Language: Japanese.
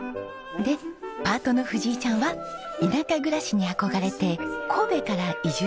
でパートの藤井ちゃんは田舎暮らしに憧れて神戸から移住しました。